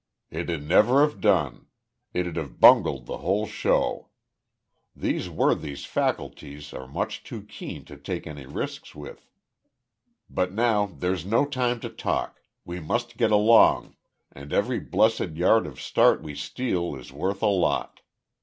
"It'd never have done. It'd have bungled the whole show. These worthies' faculties are much too keen to take any risks with. But now there's no time to talk. We must get along, and every blessed yard of start we steal is worth a lot.